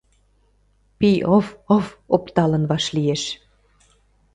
Пий ов-ов! опталын вашлиеш.